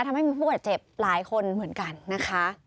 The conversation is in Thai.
ทำให้มีผู้บาดเจ็บหลายคนเหมือนกันนะคะ